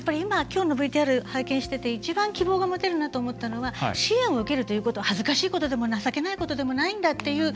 きょうのＶＴＲを拝見していて、一番希望が持てるなと思ったのは支援を受けることは恥ずかしいことでも情けないことでもないんだと。